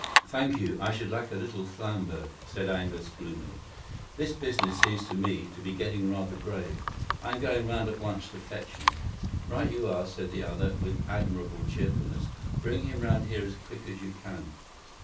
"Thank you; I should like a little Flambeau," said Angus, gloomily. "This business seems to me to be getting rather grave. I'm going round at once to fetch him." "Right you are," said the other, with admirable cheerfulness. "Bring him round here as quick as you can."